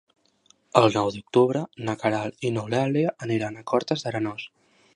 El nou d'octubre na Queralt i n'Eulàlia aniran a Cortes d'Arenós.